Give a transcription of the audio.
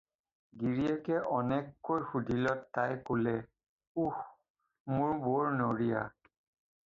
গিৰীয়েকে অনেক কৈ সুধিলত তাই ক'লে- "উস্! মোৰ বৰ নৰিয়া।"